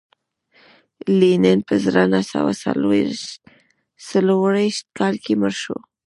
لینین په زر نه سوه څلرویشت کال کې مړ شو